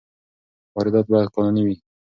واردات باید قانوني وي.